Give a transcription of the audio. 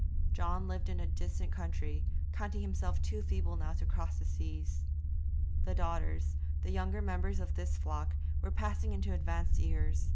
John lived in a distant country, counting himself too feeble now to cross the seas. The daughters, the younger members of this flock, were passing into advanced years.